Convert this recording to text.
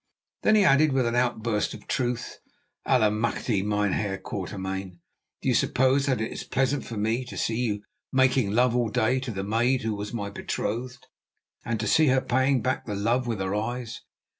Then he added with an outburst of truth: "Allemachte! Mynheer Quatermain, do you suppose that it is pleasant for me to see you making love all day to the maid who was my betrothed, and to see her paying back the love with her eyes?